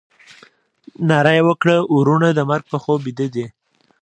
ناره یې وکړه ورونه د مرګ په خوب بیده دي.